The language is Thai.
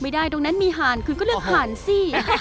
ตรงนั้นมีห่านคุณก็เลือกห่านสิ